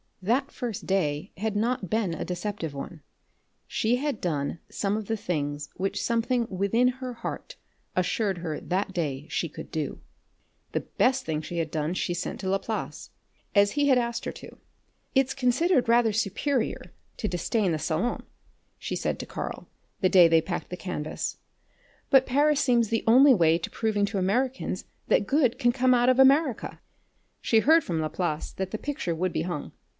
That first day had not been a deceptive one. She had done some of the things which something within her heart assured her that day she could do. The best thing she had done she sent to Laplace, as he had asked her to. "It's considered rather superior to disdain the Salon," she said to Karl, the day they packed the canvas, "but Paris seems the only way of proving to Americans that good can come out of America." She had heard from Laplace that the picture would be hung.